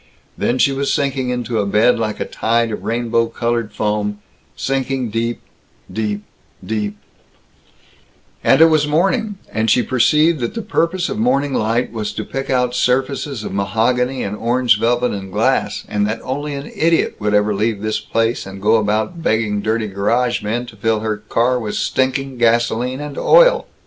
Then she was sinking into a bed like a tide of rainbow colored foam, sinking deep, deep, deep And it was morning, and she perceived that the purpose of morning light was to pick out surfaces of mahogany and orange velvet and glass, and that only an idiot would ever leave this place and go about begging dirty garage men to fill her car with stinking gasoline and oil.